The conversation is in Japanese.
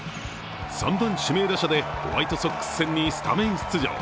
３番・指名打者でホワイトソックス戦にスタメン出場。